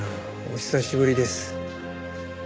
お久しぶりです。